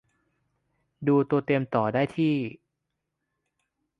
ดูตัวเต็มต่อได้ที่